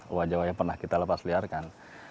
owa' jawa' yang pernah kita lepasliarkan